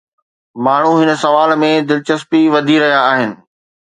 ماڻهو هن سوال ۾ دلچسپي وڌي رهيا آهن.